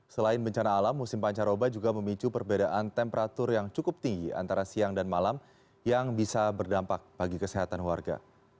selain bencana alam musim pancar oba juga memicu perbedaan temperatur yang cukup tinggi antara siang dan malam yang bisa berdampak bagi kesehatan warga